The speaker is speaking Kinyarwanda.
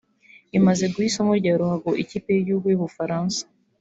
imaze guha isomo rya ruhago ikipe y’igihugu y’Ubufaransa